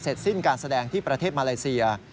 สิ้นการแสดงที่ประเทศมาเลเซีย